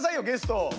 ゲストを。